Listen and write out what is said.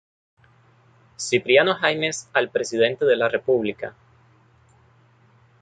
Cipriano Jaimes al presidente de la república.